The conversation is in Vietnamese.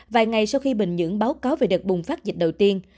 vài ngày sau khi bình nhưỡng báo cáo về đợt bùng phát dịch đầu tiên